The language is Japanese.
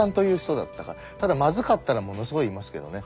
ただまずかったらものすごい言いますけどね。